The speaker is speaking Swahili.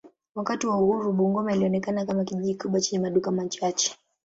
Wakati wa uhuru Bungoma ilionekana kama kijiji kikubwa chenye maduka machache.